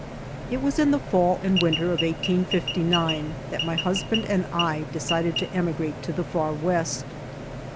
It WAS in the fall and winter of eighteen fifty nine that my husband and I decided to emigrate to the far West.